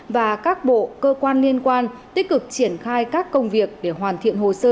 và các bộ cơ quan liên quan tích cực triển khai các công việc để hoàn thiện hồ sơ